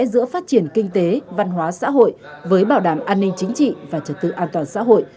giữa phát triển kinh tế văn hóa xã hội với bảo đảm an ninh chính trị và trật tự an toàn xã hội